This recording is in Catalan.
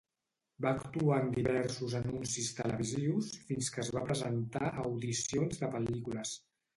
Va actuar en diversos anuncis televisius fins que es va presentar a audicions de pel·lícules.